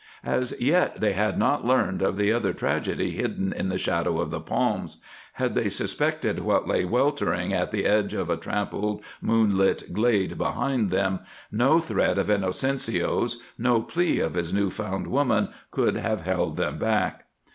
As yet they had not learned of the other tragedy hidden in the shadow of the palms; had they suspected what lay weltering at the edge of a trampled moonlit glade behind them, no threat of Inocencio's, no plea of his new found woman, could have held them back.